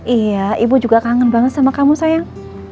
iya ibu juga kangen banget sama kamu sayang